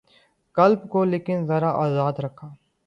قلب کو لیکن ذرا آزاد رکھ